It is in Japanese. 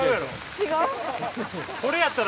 違う？